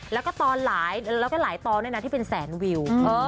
แล้วก็หลายตอนด้วยนะที่เป็นแสนวิว